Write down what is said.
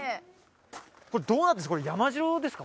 これどうなってるんですか？